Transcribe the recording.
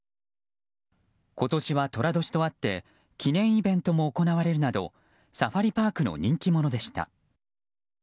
今年は寅年とあって記念イベントも行われるなどサファリパークの人気者でした。